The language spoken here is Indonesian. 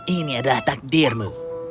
ini adalah takdirmu